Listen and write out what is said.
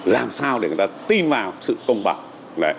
làm sao để người ta tin vào sự công bằng